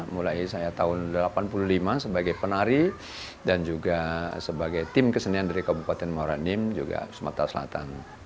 mulai saya tahun seribu sembilan ratus delapan puluh lima sebagai penari dan juga sebagai tim kesenian dari kabupaten muaranim juga sumatera selatan